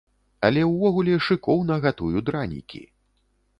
Але ўвогуле шыкоўна гатую дранікі.